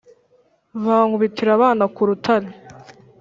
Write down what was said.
bankubitira abana ku rutare